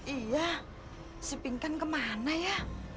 iya si pinkan kemana ya